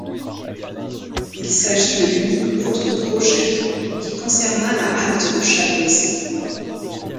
Il s'agit de l'unique autre projet qui concerna la halte de Chalmaison.